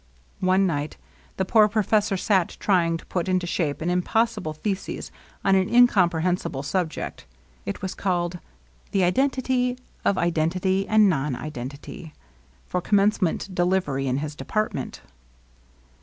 One night, the poor professor sat trying to put into shape an impossible thesis on an incomprehen >5 LOVELINESS. 23 sible subject (it was called The Identity of Identity and Non Identity), for Commencement delivery in his department.